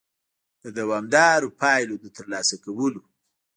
د دوامدارو پایلو د ترلاسه کولو